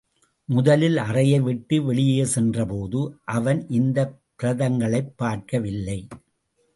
முதலில் அறையை விட்டு வெளியே சென்றபோது அவன் இந்தப் பிரதங்களைப் பார்க்கவில்லை.